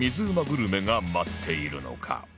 グルメが待っているのか？